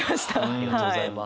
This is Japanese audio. ありがとうございます。